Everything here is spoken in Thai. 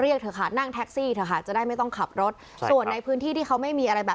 เรียกเถอะค่ะนั่งแท็กซี่เถอะค่ะ